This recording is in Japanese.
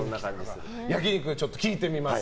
焼き肉、ちょっと聞いてみます。